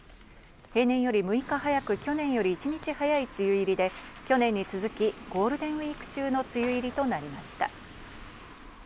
平年より６日早く、去年より一日早い梅雨入りで、去年に続きゴールデンウイーク中の梅雨入りとなりました。